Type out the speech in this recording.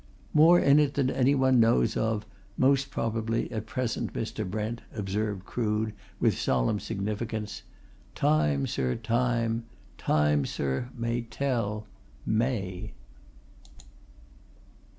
"More in it than anyone knows of most probably at present, Mr. Brent," observed Crood, with solemn significance. "Time, sir, time! Time, sir, may tell may!"